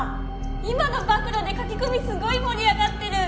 今の暴露で書き込みすごい盛り上がってる！